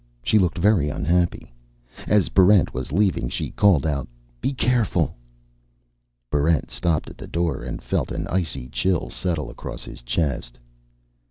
She looked very unhappy. As Barrent was leaving, she called out, "Be careful." Barrent stopped at the door, and felt an icy chill settle across his chest.